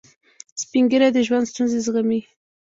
سپین ږیری د ژوند ستونزې زغمي